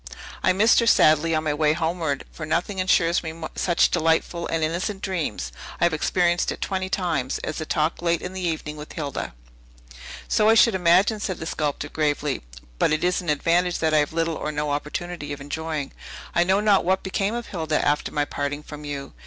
"I missed her sadly on my way homeward; for nothing insures me such delightful and innocent dreams (I have experienced it twenty times) as a talk late in the evening with Hilda." "So I should imagine," said the sculptor gravely; "but it is an advantage that I have little or no opportunity of enjoying. I know not what became of Hilda after my parting from you.